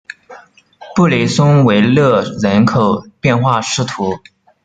布雷松维勒人口变化图示